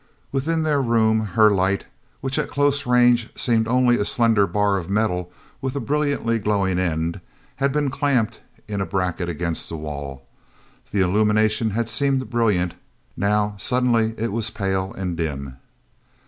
Within their room her light, which at close range seemed only a slender bar of metal with a brilliantly glowing end, had been clamped in a bracket against the wall. The illumination had seemed brilliant, now suddenly it was pale and dim.